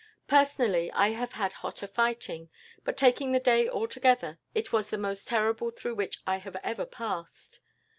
"Personally, I have had hotter fighting, but taking the day altogether, it was the most terrible through which I have ever passed.